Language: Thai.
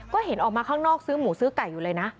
ก็เห็นออกมาออกมาข้างนอกซื้อหูขายไก่อยู่เลยนะ